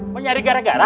mau nyari gara gara